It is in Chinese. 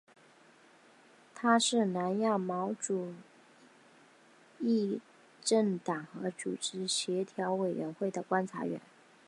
它是南亚毛主义政党和组织协调委员会的观察员。